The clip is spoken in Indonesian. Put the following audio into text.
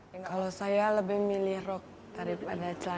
kalau saya lebih milih rock daripada celana